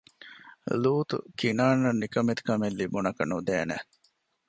ލޫޠު ކިނާންއަށް ނިކަމެތި ކަމެއް ލިބުނަކަ ނުދޭނެ